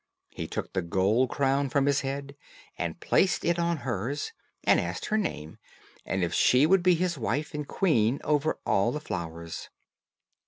He took the gold crown from his head, and placed it on hers, and asked her name, and if she would be his wife, and queen over all the flowers.